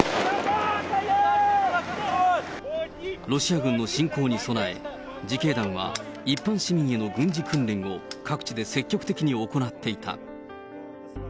ロシア軍の侵攻に備え、自警団は、一般市民への軍事訓練を、各地で積極的に行っていた。